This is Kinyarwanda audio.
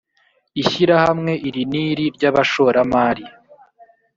ishyirahamwe iri n iri ry abashoramari